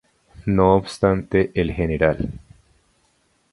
No obstante, el Gral.